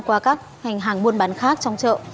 qua các hành hàng muôn bán khác trong chợ